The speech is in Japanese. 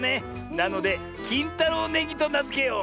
なのできんたろうネギとなづけよう！